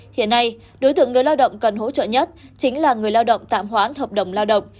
hiện nay đối tượng người lao động cần hỗ trợ nhất chính là người lao động tạm hoãn hợp đồng lao động